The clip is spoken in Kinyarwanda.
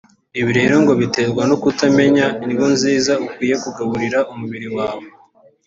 ibi rero ngo biterwa no kutamenya indyo nziza ukwiriye kugaburira umubiri wawe